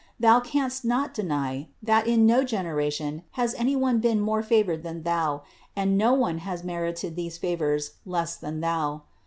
Thou canst not deny, that in no generation has any one been more favored than thou, and no one has merited these favors less than thou.